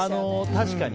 確かに。